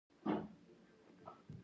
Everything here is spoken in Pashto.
غول د خوږو عاشق نه دی.